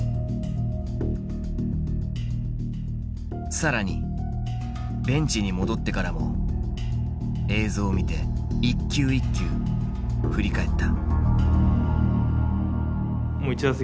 更にベンチに戻ってからも映像を見て一球一球振り返った。